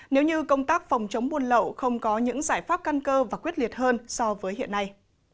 nếu như công tác phòng chống buôn lậu không có những giải pháp căn cơ và quyết liệt hơn so với hiện nay